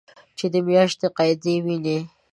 چې د میاشتنۍ قاعدې وینې